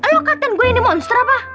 lo katain gue ini monster apa